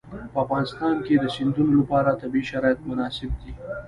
په افغانستان کې د سیندونه لپاره طبیعي شرایط مناسب دي.